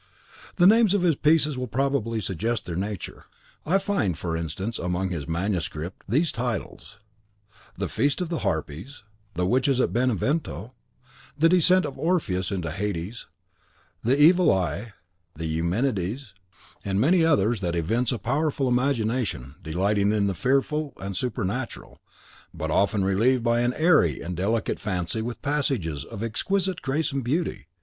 The names of his pieces will probably suggest their nature. I find, for instance, among his MSS., these titles: "The Feast of the Harpies," "The Witches at Benevento," "The Descent of Orpheus into Hades," "The Evil Eye," "The Eumenides," and many others that evince a powerful imagination delighting in the fearful and supernatural, but often relieved by an airy and delicate fancy with passages of exquisite grace and beauty.